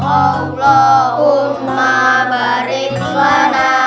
allahumma barik lena